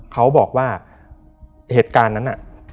เขาบอกว่าเหตุการณ์นั้นน่ะ